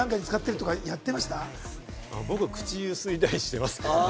僕、口ゆすいだりしてますね。